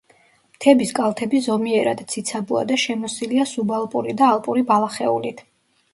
მთების კალთები ზომიერად ციცაბოა და შემოსილია სუბალპური და ალპური ბალახეულით.